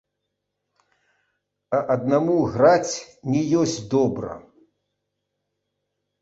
А аднаму граць не ёсць добра.